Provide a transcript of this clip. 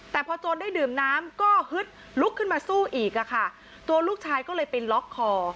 แต่พอโจรได้ดื่มน้ำก็ฮึดลุกขึ้นมาสู้อีกอ่ะค่ะตัวลูกชายก็เลยไปล็อกคอ